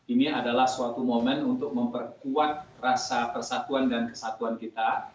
ini adalah suatu momen untuk memperkuat rasa persatuan dan kesatuan kita